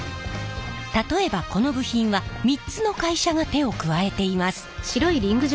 例えばこの部品は３つの会社が手を加えています。